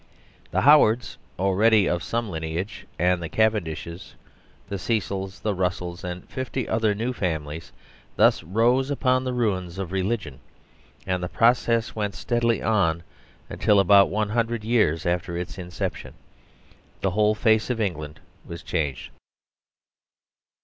The Howards(already of some lineage), the Cavendishes, the Cecils, the Russels, and fifty other new families thus rose upon the ruins of religion ; and the process went steadily on until, about one hundred years after its inception, the whole face of England was changed.